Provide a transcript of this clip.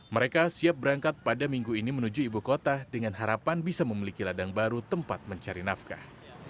mereka siap berangkat pada minggu ini menuju ibu kota dengan harapan bisa memiliki ladang baru tempat mencari nafkah